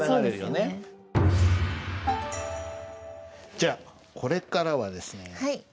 じゃあこれからはですね漢和辞典。